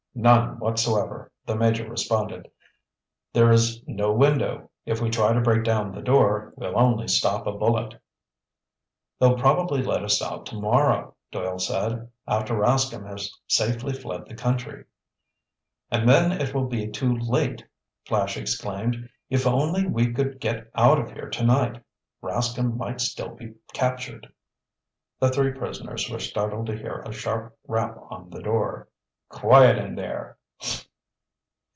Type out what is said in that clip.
"None whatsoever," the Major responded. "There is no window. If we try to break down the door, we'll only stop a bullet." "They'll probably let us out tomorrow," Doyle said. "After Rascomb has safely fled the country." "And then it will be too late!" Flash exclaimed. "If only we could get out of here tonight! Rascomb might still be captured." The three prisoners were startled to hear a sharp rap on the door. "Quiet in there!"